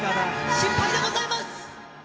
失敗でございます。